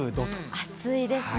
暑いですね。